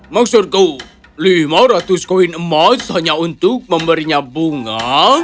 maksudku lima ratus koin emas hanya untuk memberinya bunga